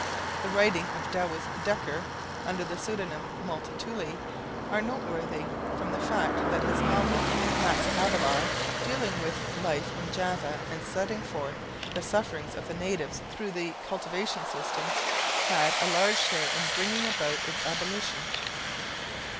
The writings of Douwes Dekker (under the pseudonym Multatuli) are noteworthy from the fact that his novel Max Havelaar, dealing with life in Java and setting forth the sufferings of the natives through the "cultivation system," had a large share in bringing about its abolition.